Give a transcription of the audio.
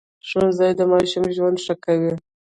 ښوونځی د ماشوم ژوند ښه کوي